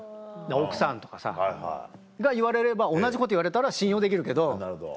奥さんとかさ。が言われれば同じこと言われたら信用できるけど。